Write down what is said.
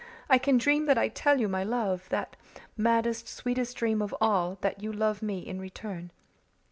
I can dream that I tell you my love; that maddest, sweetest dream of all that you love me in return.